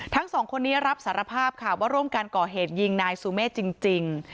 ทั้งสองคนนี้รับสารภาพค่ะว่าร่วมการก่อเหตุยิงนายสุเมฆจริง